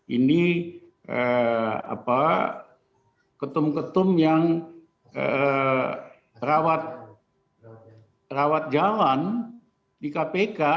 ini ketum ketum yang rawat jalan di kpk